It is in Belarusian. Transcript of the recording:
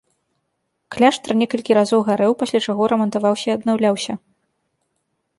Кляштар некалькі разоў гарэў, пасля чаго рамантаваўся і абнаўляўся.